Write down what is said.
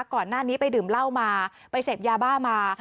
ก่อนหน้านี้ไปดื่มเหล้ามาไปเสพยาบ้ามา